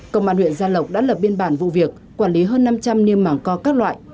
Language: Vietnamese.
công an huyện gia lộc đã lập biên bản vụ việc quản lý hơn năm trăm linh niêm mảng co các loại